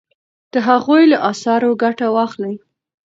د هغوی له اثارو ګټه واخلئ.